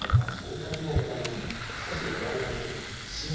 少しご覧になりませんか？